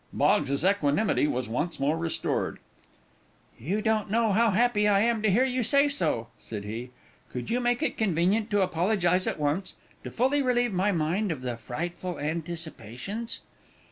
Boggs's equanimity was once more restored. "You don't know how happy I am to hear you say so," said he. "Could you make it convenient to apologize at once, to fully relieve my mind of the frightful anticipations?"